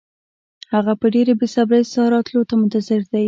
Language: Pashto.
هغه په ډېره بې صبرۍ ستا راتلو ته منتظر دی.